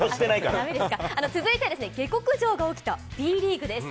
続いては、下克上が起きたＢリーグです。